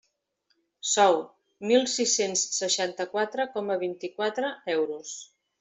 Sou: mil sis-cents seixanta-quatre coma vint-i-quatre euros.